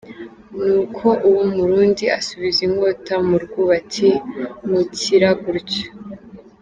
Nuko uwo murundi asubiza inkota mu rwubati mukira gutyo.